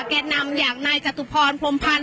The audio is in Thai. แก่นำอย่างนายจตุพรพรมพันธ